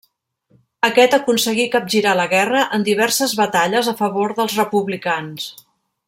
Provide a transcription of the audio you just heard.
Aquest aconseguí capgirar la guerra en diverses batalles a favor dels republicans.